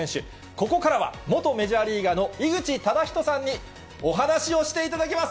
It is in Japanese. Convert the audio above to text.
ここからは、元メジャーリーガーの井口資仁さんにお話をしていただきます。